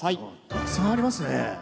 たくさんありますね。